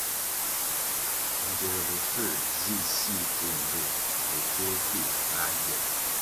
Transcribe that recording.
Mbvire bofuē nzih sih poh ndtoh bo peh-peh bā gyel.